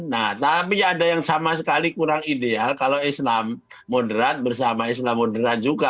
nah tapi ada yang sama sekali kurang ideal kalau islamudera bersama islamudera juga